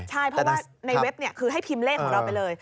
ใช่เพราะว่าในเว็บคือให้พิมพ์เลขของเราไปเลย